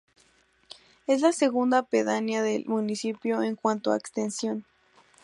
Es la segunda pedanía del municipio en cuanto a extensión.